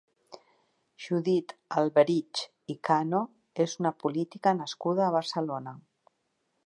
Judith Alberich i Cano és una política nascuda a Barcelona.